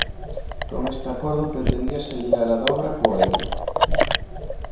Con este acordo pretendíase ligar a dobra co euro.